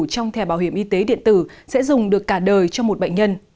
trong thẻ bảo hiểm y tế điện tử sẽ dùng được cả đời cho một bệnh nhân